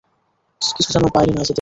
কিছু যেন বাইরে না যেতে পারে।